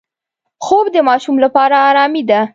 خوب د ماشوم لپاره آرامي ده